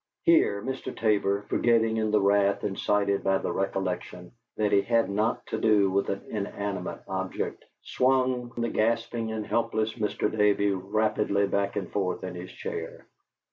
Here Mr. Tabor, forgetting in the wrath incited by the recollection that he had not to do with an inanimate object, swung the gasping and helpless Mr. Davey rapidly back and forth in his chair.